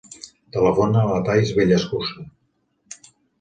Telefona a la Thaís Villaescusa.